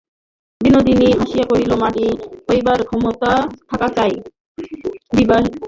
বিনোদিনী হাসিয়া কহিল, মাটি হইবার ক্ষমতা থাকা চাই, বিহারীবাবু।